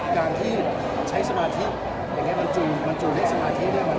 การที่ใช้สมาธิอย่างเงี้ยมันจุดให้สมาธิเนี่ย